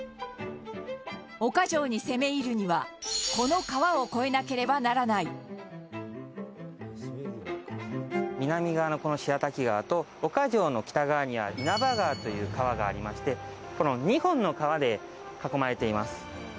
岡城に攻め入るにはこの川を越えなければならない南側の、この白滝川と岡城の北側には稲葉川という川がありましてこの２本の川で囲まれています。